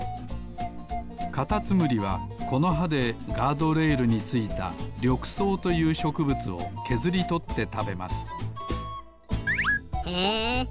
カタツムリはこのはでガードレールについたりょくそうというしょくぶつをけずりとってたべますへえいや